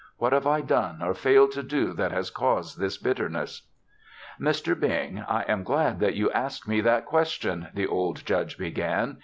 What have I done or failed to do that has caused this bitterness?" "Mr. Bing, I am glad that you ask me that question," the old Judge began.